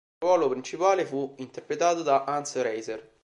Il ruolo principale fu interpretato da Hans Reiser.